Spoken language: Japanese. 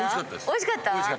おいしかったです。